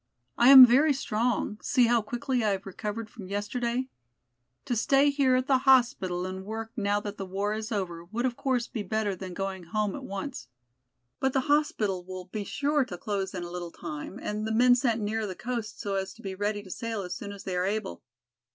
I am very strong, see how quickly I have recovered from yesterday. To stay here at the hospital and work now that the war is over would of course be better than going home at once. But the hospital will be sure to close in a little time and the men sent nearer the coast so as to be ready to sail as soon as they are able.